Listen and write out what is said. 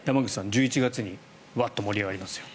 １１月にワッと盛り上がりますよ。